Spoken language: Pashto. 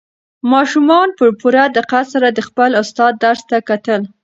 ماشومانو په پوره دقت سره د خپل استاد درس ته کتل.